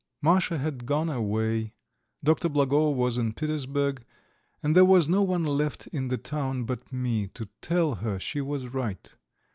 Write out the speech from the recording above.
Masha had gone away. Dr. Blagovo was in Petersburg, and there was no one left in the town but me, to tell her she was right.